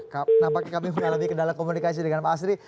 ya nampaknya kami sudah lebih ke dalam komunikasi dengan bang astri